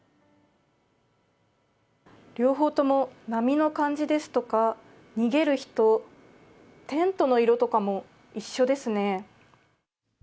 両方とも波の感じですとか、逃げる人、テントの色とかも一緒ですね。